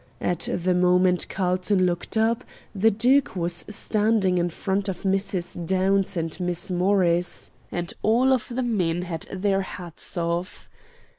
At the moment Carlton looked up the Duke was standing in front of Mrs. Downs and Miss Morris, and all of the men had their hats off.